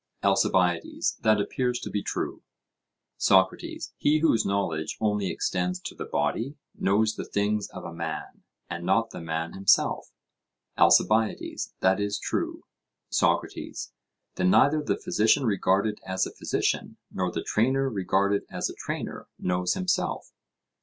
ALCIBIADES: That appears to be true. SOCRATES: He whose knowledge only extends to the body, knows the things of a man, and not the man himself? ALCIBIADES: That is true. SOCRATES: Then neither the physician regarded as a physician, nor the trainer regarded as a trainer, knows himself?